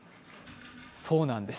そうなんです。